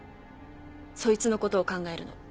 そいつのことを考えるの。